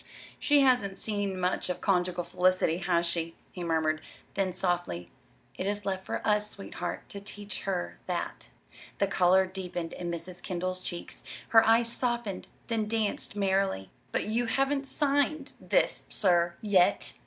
She hasn't seen much of conjugal felicity; has she?" he murmured; then, softly: "It is left for us, sweetheart, to teach her that." The color deepened in Mrs. Kendall's cheeks. Her eyes softened, then danced merrily. "But you haven't signed this, sir, yet!"